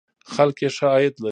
خلک یې ښه عاید لري.